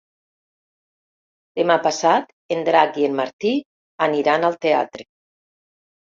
Demà passat en Drac i en Martí aniran al teatre.